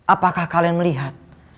apakah kalian melihat